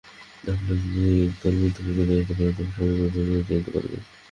আপনারা যদি এক-তাল মৃত্তিকাকে জানিতে পারেন, তবে সমগ্র ব্রহ্মাণ্ডকেই জানিতে পারিবেন।